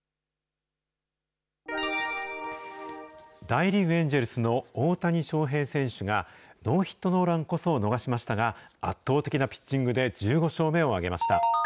大リーグ・エンジェルスの大谷翔平選手が、ノーヒットノーランこそ逃しましたが、圧倒的なピッチングで１５勝目を挙げました。